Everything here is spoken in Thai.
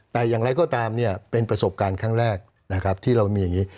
แต่อย่างไรก็ตามเป็นประสบการณ์ครั้งแรกที่เรามีอย่างนี้